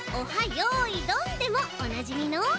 よいどん」でもおなじみの。